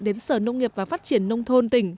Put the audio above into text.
đến sở nông nghiệp và phát triển nông thôn tỉnh